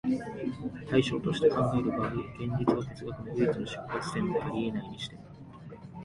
対象として考える場合、現実は哲学の唯一の出発点であり得ないにしても、